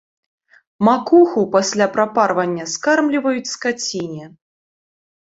Макуху пасля прапарвання скормліваюць скаціне.